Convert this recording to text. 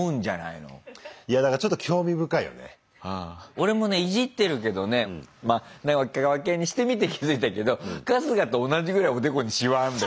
俺もねイジってるけどね真ん中分けにしてみて気づいたけど春日と同じぐらいおでこにシワあるんだよね俺も。